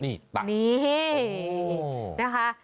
นี่ต่างนี่นะคะ